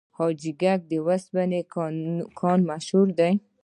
د حاجي ګک د وسپنې کان مشهور دی